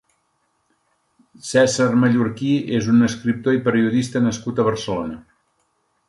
César Mallorquí és un escriptor i periodista nascut a Barcelona.